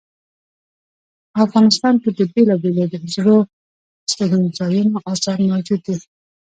افغانستان کې د بیلابیلو زړو استوګنځایونو آثار موجود دي